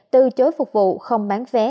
từ chối phục vụ không bán vé